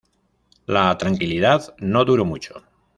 La tranquilidad no duró mucho.